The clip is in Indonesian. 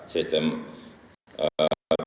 sistem perubahan perubahan kita